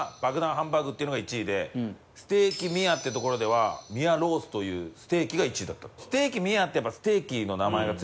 ハンバーグっていうのが１位でステーキ宮ってところでは宮ロースというステーキが１位だった。